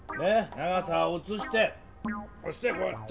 長さをうつしてそしてこうやって。